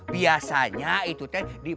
biasanya itu diperkenalan